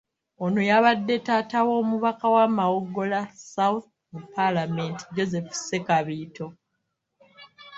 Ono yabadde taata w’omubaka wa Mawogola South mu Paalamenti Joseph Ssekabiito.